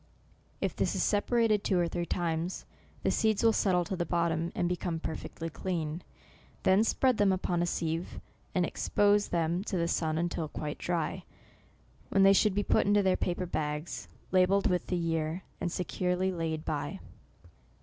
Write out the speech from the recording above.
If this is repeated two or three times, the seeds will settle to the bottom, and become perfectly clean. Then spread them upon a seive, and expose them to the sun until quite dry, when they should be put into paper bags, labelled with the year, and securely laid by.